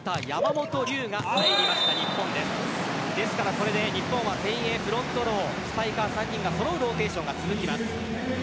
これで日本は前衛、フロントロースパイカー３人が揃うローテーションが続きます。